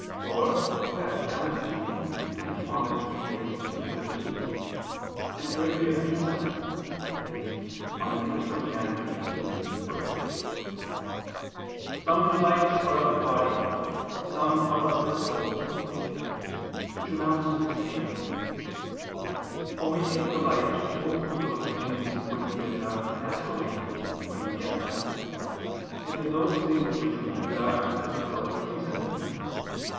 Or, as Damascene (De Fide Orth. ii, 13) and Gregory of Nyssa [*Nemesius, De Nat. Hom. xviii.] put it, "some delights are of the body, some are of the soul"; which amounts to the same. For we take delight both in those things which we desire naturally, when we get them, and in those things which we desire as a result of reason.